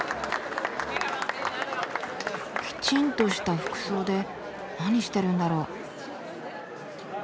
きちんとした服装で何してるんだろう？